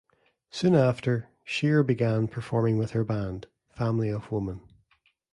Soon after, Shear began performing with her band, Family of Woman.